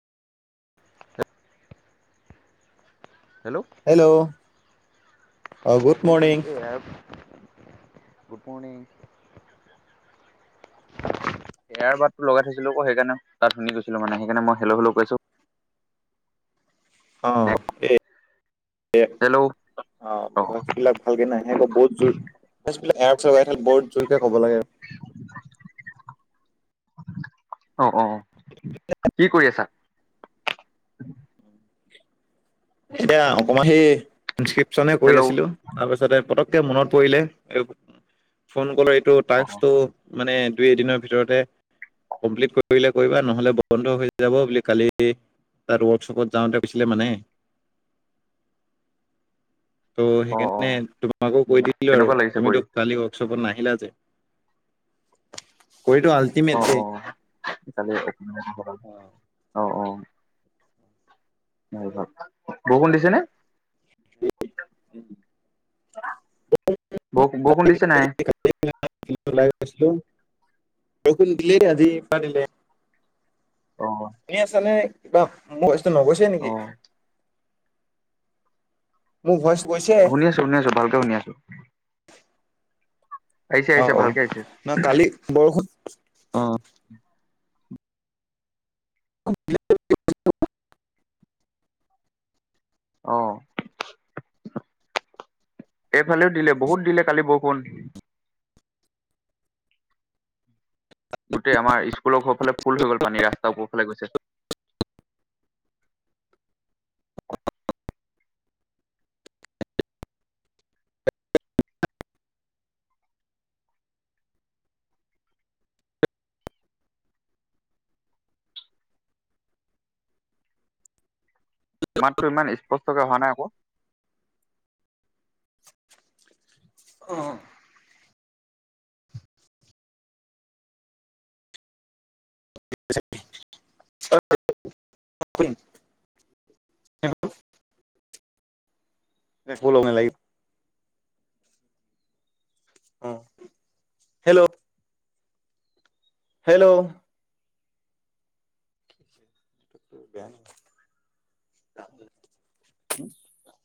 Hello! Hello! অ good morning এই good morning. [unintelligible] Air বাটতো লগাই থৈছিলো আকৌ সেইকাৰণে ত শুনি গৈছিলো মানে সেইকাৰণে মই হেল্ল হেল্ল কৈছো। অ এ হেল্ল' অ ভইচবিলাক ভালকে নাহে আকৌ বহুত জোৰ ভইচবিলাক এ বহুত জোৰকে ক'ব লাগে। অ অ অ, কি কৰি আছা? এতিয়া অকণমান সেই ইনসক্ৰিপশ্যনে কৈ হেল্ল' অ', আছিলোঁ। তাৰপিছতে পতককে মনত পৰিলে এই ফোন কলৰ এইটো টাস্কটো মানে দুই এদিনৰ ভিতৰতে কমপ্লিট কৰিলে কৰিবা নহলে বন্ধ হৈ যাব বুলি কালি তাত ৱৰ্কশ্বপত যাওঁতে কৈছিলে মানে। ত' অ'। সেইকাৰণে তোমাকো কৈ দিলো আৰু কেনেকুৱা লাগিছে তুমি কৰি? তোমাক চালি কও ওৱৰ্কছপত নাহিলা যে, কৰিতো অ', আল্টিমেটলি। অ', কালি এক অ অ। বৰষুণ দিছে নে? [unintelligible] ব বৰষূণ দিছে নাই? [unintelligible] অ। এনে আছানে কিবা ভ‌ইছ টো নগৈছে নেকি। অ', মোৰ ভইছ গৈছে। শুনি শুনি আছোঁ আছো ভালেকে শুনি আছো। আহিছে অ আহিছে অ ভালকে আহিছে না কালি বৰষুণ অ। [unintelligible] অ এইফালেও দিলে বহুত দিলে কালি বৰষুণ। গোটেই আমাৰ স্কল ঘফালে ফুল হৈ গল পানী ৰাস্তা বোৰফালে গৈছে। মাততো ইমান স্পষ্টকে অহা নাই আকৌ অ। [unintelligible] ও লঙা লাগি। অ হেল্ল'। হেল্ল'। [unintelligible] [unintelligible]